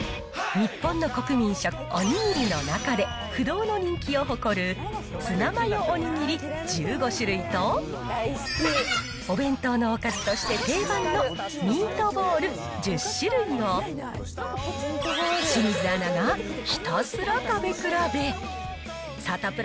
日本の国民食、お握りの中で、不動の人気を誇る、ツナマヨお握り１５種類と、お弁当のおかずとして定番のミートボール１０種類を、清水アナがひたすら食べ比べ、サタプラ